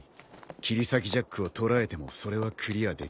切り裂きジャックを捕らえてもそれはクリアできる。